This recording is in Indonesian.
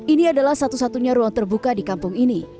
ini adalah satu satunya ruang terbuka di kampung ini